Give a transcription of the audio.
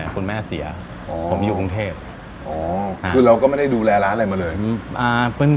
คุณแม่เสียผมอยู่กรุงเทพคือเราก็ไม่ได้ดูแลร้านอะไรมาเลย